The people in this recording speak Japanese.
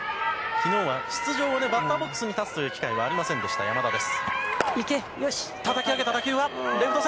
昨日はバッターボックスに立つという機会はありませんでした、山田です。